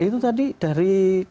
itu tadi dari